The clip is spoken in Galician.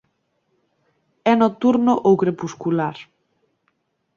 É nocturno ou crepuscular.